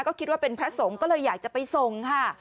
ก็คิดว่าเป็นพระสงฆ์ก็เลยอยากจะไปส่งค่ะ